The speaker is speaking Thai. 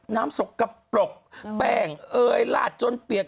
น้ำสกกระปรกแป้งเอยลาดจนเปียก